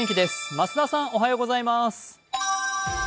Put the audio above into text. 増田さん、おはようございます。